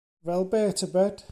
Fel be, tybed?